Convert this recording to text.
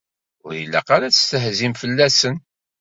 Ur ilaq ara ad testehzim fell-asen.